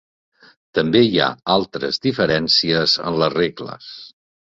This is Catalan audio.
També hi ha altres diferències en les regles.